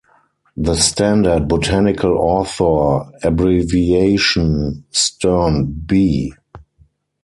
The standard botanical author abbreviation Sternb.